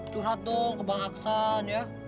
curhat dong ke bang aksan ya